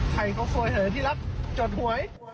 ใครเขาโทยเผยที่รักจดหวย